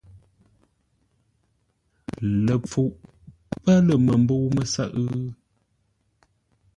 Ləpfuʼ pə́ lə̂ məmbə̂u mə́sə́ʼə́?